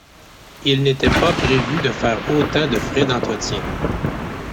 Il n’était pas prévu de faire autant de frais d’entretien.